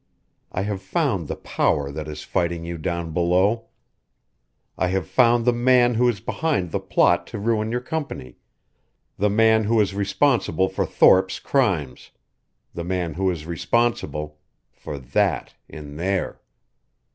I have found the 'power' that is fighting you down below. I have found the man who is behind the plot to ruin your company, the man who is responsible for Thorpe's crimes, the man who is responsible for that in there."